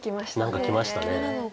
何かきました。